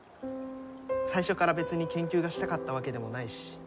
最初から別に研究がしたかったわけでもないし。